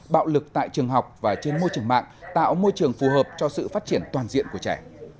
bạo lực tại trường học và trên môi trường mạng tạo môi trường phù hợp cho sự phát triển toàn diện của trẻ